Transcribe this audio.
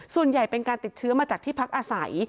ส่วนใหญ่เป็นการติดเชื้อมาจากที่พักอาศัย